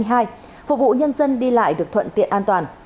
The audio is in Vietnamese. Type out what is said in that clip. phục vụ nhân dân đi lại được thuận tiện an toàn